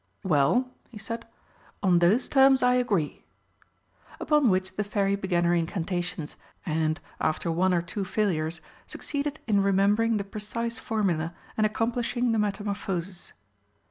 "Well," he said, "on those terms I agree." Upon which the Fairy began her incantations, and, after one or two failures, succeeded in remembering the precise formula and accomplishing the metamorphosis.